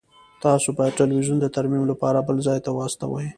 تاسو باید تلویزیون د ترمیم لپاره بل ځای ته واستوئ